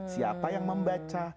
siapa yang membaca